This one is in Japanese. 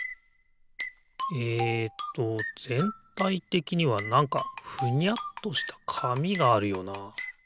えっとぜんたいてきにはなんかふにゃっとしたかみがあるよな。